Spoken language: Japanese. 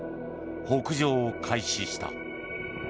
北上を開始した。